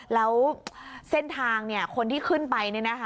แล้วเส้นทางคนที่ขึ้นไป